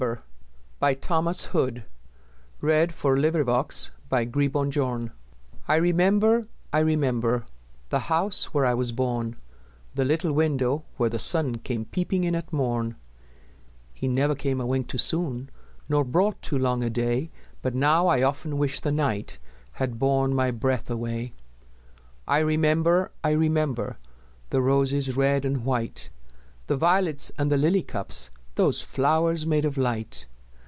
O P . Q R . S T . U V . W X . Y Z I Remember, I Remember I REMEMBER, I remember The house where I was born, The little window where the sun Came peeping in at morn; He never came a wink too soon Nor brought too long a day; But now, I often wish the night Had borne my breath away. I remember, I remember The roses red and white, The violets and the lily cups Those flowers made of light!